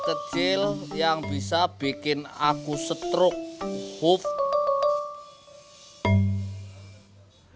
kecil yang bisa bikin aku stroke hove